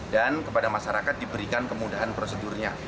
dan kepada masyarakat diberikan kemudahan prosedurnya